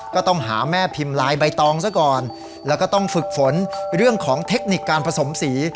ก็ต้องหาแม่พิมพ์ลายใบตองซะก่อนแล้วก็ต้องฝึกฝนเรื่องของเทคนิคการผสมสี